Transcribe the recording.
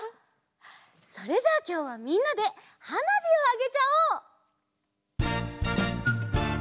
それじゃあきょうはみんなではなびをあげちゃおう！